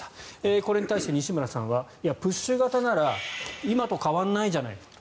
これに対して、西村さんはプッシュ型なら今と変わらないじゃないかと。